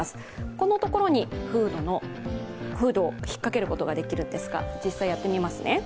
このところにフードを引っ掛けることができるんですが実際やってみますね。